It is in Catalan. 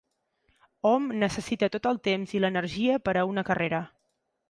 Hom necessita tot el temps i l'energia per a una carrera.